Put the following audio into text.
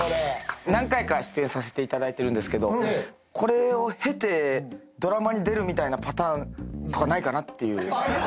何回か出演させていただいてるんですけどこれを経てドラマに出るみたいなパターンとかないかなっていう。